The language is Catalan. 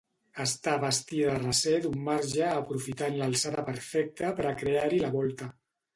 Està bastida a recer d'un marge aprofitant l'alçada perfecta per a crear-hi la volta.